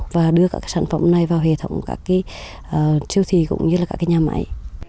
và đưa các sản phẩm này vào hệ thống các cái siêu thị cũng như là các nhà máy